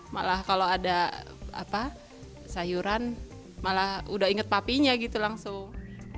malah kalau ada sayuran malah udah inget papinya gitu langsung